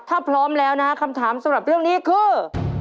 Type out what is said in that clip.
ถ้าพร้อมแล้วนะคำถามสำหรับเรื่องนี้คือ